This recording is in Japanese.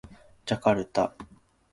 ジャカルタ